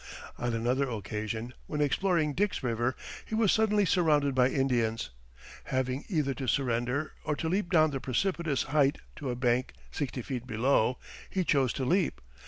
On another occasion, when exploring Dick's River, he was suddenly surrounded by Indians. Having either to surrender or to leap down the precipitous height to a bank sixty feet below, he chose to leap.